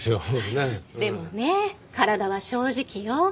でもね体は正直よ。